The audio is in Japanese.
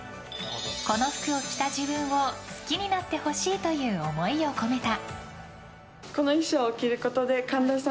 この服を着た自分を好きになってほしいという思いを込めた。